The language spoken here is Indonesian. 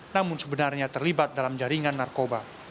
namun sebenarnya terlibat dalam jaringan narkoba